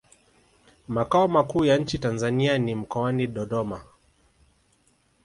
Makao makuu ya nchi ya Tanzania ni mkoani Dododma